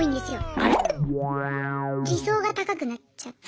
理想が高くなっちゃって。